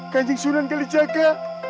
ganjeng sunan kalijaga